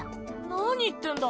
何言ってんだ。